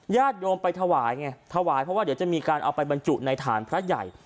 ญาติโยมไปถวายไงถวายเพราะว่าเดี๋ยวจะมีการเอาไปบรรจุในฐานพระใหญ่